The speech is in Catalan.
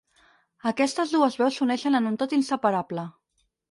Aquestes dues veus s'uneixen en un tot inseparable.